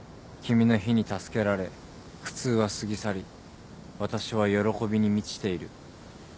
君の火に助けられ苦痛は過ぎ去り私は喜びに満ちている」